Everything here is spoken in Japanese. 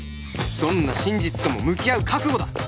どんな真実とも向き合う覚悟だ！